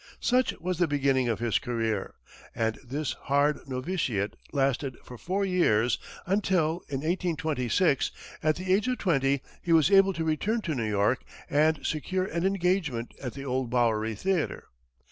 Such was the beginning of his career, and this hard novitiate lasted for four years, until, in 1826, at the age of twenty, he was able to return to New York and secure an engagement at the old Bowery Theatre.